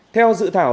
theo dự thảo